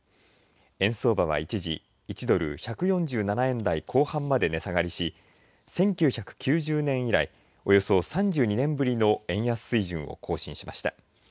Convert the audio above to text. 円相場は一時、１ドル１４７円台後半まで値下がりし１９９０年以来およそ３２年ぶりの円安水準を更新しました。